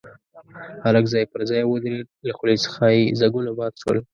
هلک ځای پر ځای ودرېد، له خولې څخه يې ځګونه باد شول.